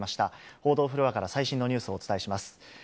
報道フロアから最新のニュースをお伝えします。